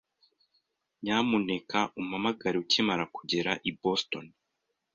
Nyamuneka umpamagare ukimara kugera i Boston.